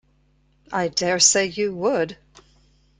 I dare say you would!